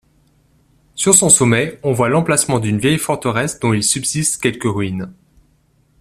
Sur son sommet on voit l'emplacement d'une vieille forteresse dont il subsiste quelques ruines.